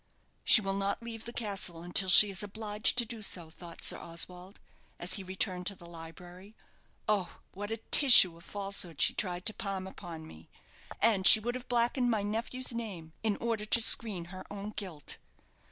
"She will not leave the castle until she is obliged to do so," thought Sir Oswald, as he returned to the library. "Oh, what a tissue of falsehood she tried to palm upon me! And she would have blackened my nephew's name, in order to screen her own guilt!"